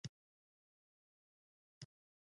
خلجیان بالاخره څوک دي.